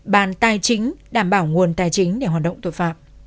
bàn tài chính đảm bảo nguồn tài chính để hoạt động tội phạm